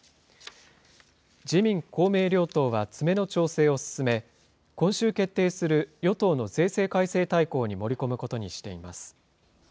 自民、公明両党は詰めの調整を進め、今週決定する与党の税制改正大綱に盛り込むことにしています。